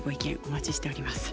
お待ちしております。